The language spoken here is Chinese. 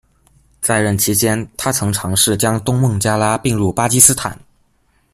在任期间，他曾尝试将东孟加拉并入巴基斯坦。